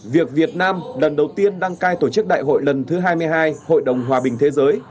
việc việt nam lần đầu tiên đăng cai tổ chức đại hội lần thứ hai mươi hai hội đồng hòa bình thế giới